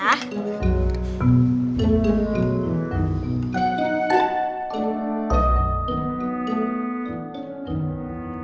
aku aku suapin ya